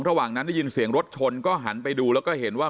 ระหว่างนั้นได้ยินเสียงรถชนก็หันไปดูแล้วก็เห็นว่า